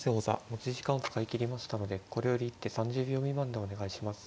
持ち時間を使い切りましたのでこれより一手３０秒未満でお願いします。